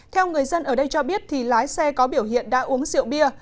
theo người dân ở đây cho biết lái xe có biểu hiện đã uống rượu bia